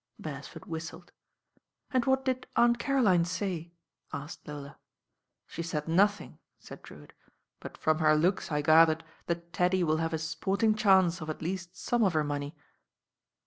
Be: esford whistled. "And what did Aunt Caroline say?" asked Lola. "She said nothing," said Drewitt; "but from her looks I gathered that Teddy will have a sporting chance of at least some of her money."